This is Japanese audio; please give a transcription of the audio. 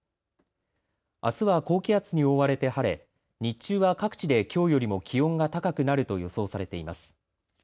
あすは高気圧に覆われて晴れ日中は各地できょうよりも気温が高くなると予想されています。